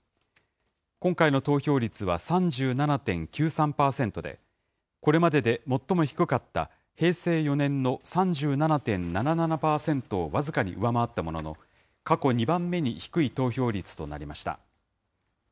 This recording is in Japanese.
今回の投票率は３７でん９３ぱーせんとで、これまでで最も低かった平成４年の３７．７７％を僅かに上回ったものの、過去２番目に低い投票率となりました。